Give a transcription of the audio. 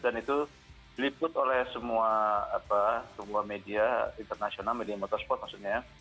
dan itu diliput oleh semua media internasional media motorsport maksudnya